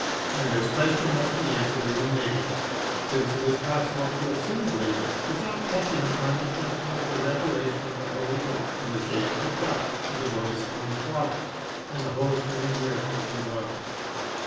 And this question must be answered in the negative, since it is possible to assimilate it without touching upon the question of the revelation of the Holy Ghost in the shape of a dove, to the Voice from the clouds, and the whole string of miracles and dogmas.